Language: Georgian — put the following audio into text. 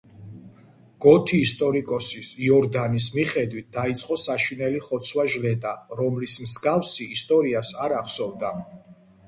გოთი ისტორიკოსის, იორდანის მიხედვით, დაიწყო საშინელი ხოცვა-ჟლეტა, რომლის მსგავსი ისტორიას არ ახსოვდა.